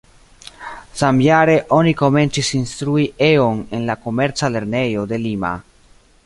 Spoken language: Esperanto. Samjare oni komencis instrui E-on en la Komerca lernejo de Lima.